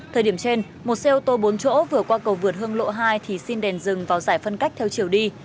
thời điểm trên một xe ô tô bốn chỗ vừa qua cầu vượt hương lộ hai thì xin đèn dừng vào giải phân cách theo chiều đi